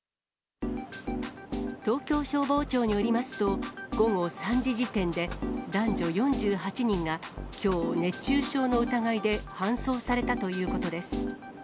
東京消防庁によりますと、午後３時時点で、男女４８人がきょう、熱中症の疑いで搬送されたということです。